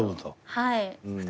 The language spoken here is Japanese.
はい。